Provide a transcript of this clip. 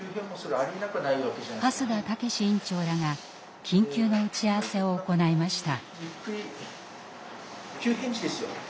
蓮田健院長らが緊急の打ち合わせを行いました。